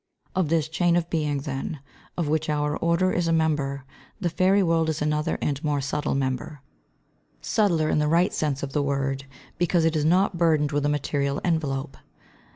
] Of this chain of Being, then, of which our order is a member, the fairy world is another and more subtle member, subtler in the right sense of the word because it is not burdened with a material envelope.